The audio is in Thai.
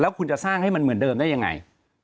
คุณจะสร้างให้มันเหมือนเดิมได้ยังไง